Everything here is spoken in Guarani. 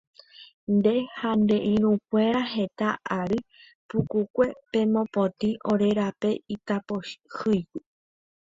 Nde ha ne irũnguéra heta ary pukukue pemopotĩ ore rape itapohýigui.